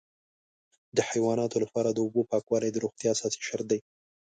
د حیواناتو لپاره د اوبو پاکوالی د روغتیا اساسي شرط دی.